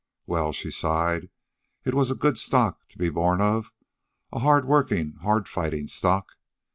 Well, she sighed, it was a good stock to be born of, a hard working, hard fighting stock.